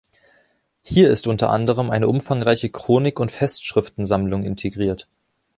Hier ist unter anderem eine umfangreiche Chronik- und Festschriften-Sammlung integriert.